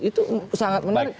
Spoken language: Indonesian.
itu sangat menarik